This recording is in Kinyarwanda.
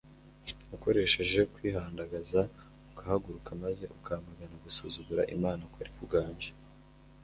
akoresheje kwihandagaza agahaguruka maze akamagana gusuzugura Imana kwari kuganje